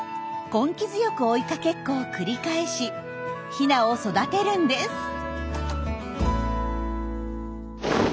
根気強く追いかけっこを繰り返しヒナを育てるんです。